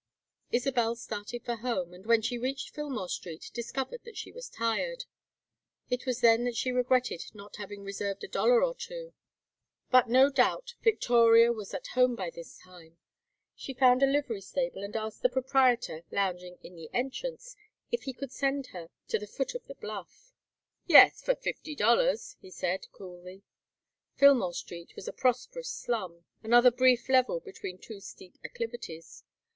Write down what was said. Isabel started for home, and when she reached Fillmore Street discovered that she was tired. It was then that she regretted not having reserved a dollar or two; but no doubt Victoria was at home by this time. She found a livery stable, and asked the proprietor, lounging in the entrance, if he could send her to the foot of her bluff. "Yes, for fifty dollars," he said, coolly. Fillmore Street was a prosperous slum, another brief level between two steep acclivities.